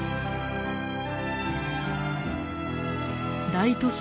大都市